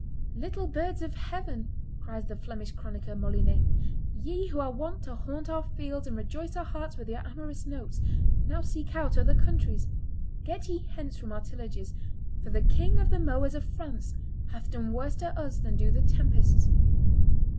"Little birds of heaven," cries the Flemish chronicler Molinet, "ye who are wont to haunt our fields and rejoice our hearts with your amorous notes, now seek out other countries; get ye hence from our tillages, for the king of the mowers of France hath done worse to us than do the tempests."